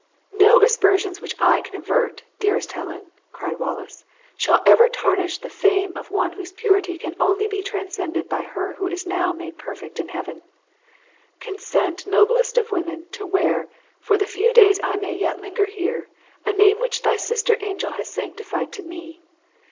"No aspersions which I can avert, dearest Helen," cried Wallace, "shall ever tarnish the fame of one whose purity can only be transcended by her who is now made perfect in heaven! Consent, noblest of women, to wear, for the few days I may yet linger here, a name which thy sister angel has sanctified to me.